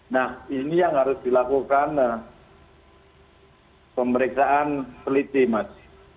nah ini yang harus dilakukan pemeriksaan peliti mas